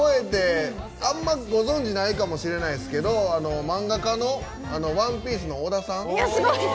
あんまご存じないかも分かんないかもしれないですけど漫画家の「ＯＮＥＰＩＥＣＥ」の尾田さん。